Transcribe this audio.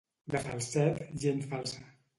De Falset, gent falsa.